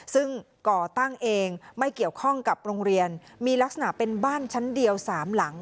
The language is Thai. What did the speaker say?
ซึ่งก่อตั้งเองไม่เกี่ยวข้องกับโรงเรียนมีลักษณะเป็นบ้านชั้นเดียว๓หลัง